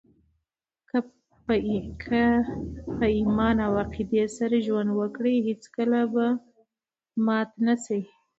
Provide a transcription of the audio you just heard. که په ایمان او عقیدې سره ژوند وکړئ، هېڅکله به مات نه سئ!